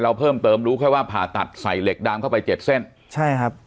เพิ่มเติมรู้แค่ว่าผ่าตัดใส่เหล็กดามเข้าไปเจ็ดเส้นใช่ครับ